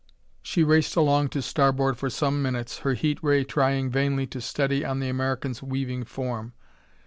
She raced along to starboard for some minutes, her heat ray trying vainly to steady on the American's weaving form.